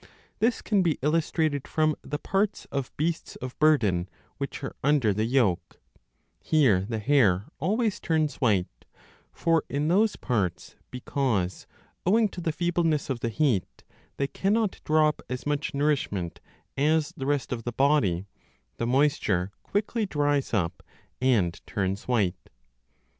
This can be illustrated from the parts of beasts of burden which are under the yoke ; here the hair always turns white, for in those parts because, 20 owing to the feebleness of the heat, they cannot draw up as much nourishment as the rest of the body, the moisture quickly dries up and turns white.